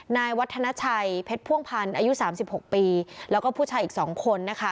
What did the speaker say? นายวัฒนาชัยเพชรพ่วงพันธ์อายุ๓๖ปีแล้วก็ผู้ชายอีก๒คนนะคะ